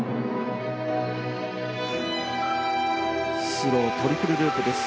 スロートリプルループです。